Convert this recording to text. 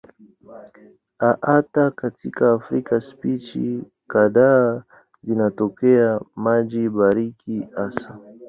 Na hata katika Afrika spishi kadhaa zinatokea maji baridi hasa.